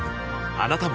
あなたも